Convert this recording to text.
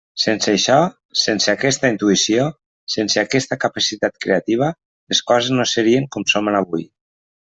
Sense això, sense aquesta intuïció, sense aquesta capacitat creativa, les coses no serien com són avui.